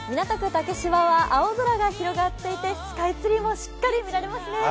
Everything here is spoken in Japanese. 竹芝は青空が広がっていてスカイツリーもしっかり見られますね。